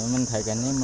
mình thấy cái này